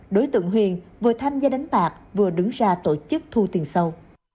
đối tượng huyền vừa tham gia đánh bạc vừa đứng ra tổ chức thu tiền sâu